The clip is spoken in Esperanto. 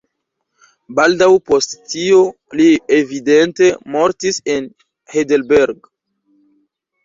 Baldaŭ post tio li evidente mortis en Heidelberg.